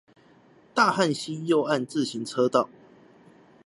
大漢溪右岸自行車道